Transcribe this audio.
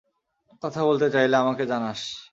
কথা বলতে চাইলে আমাকে জানাস।